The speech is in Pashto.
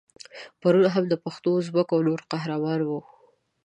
پرون هم د پښتنو، ازبکو او نورو قهرمان وو.